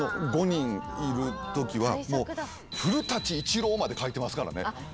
５人いるときは古伊知郎まで書いてますからね。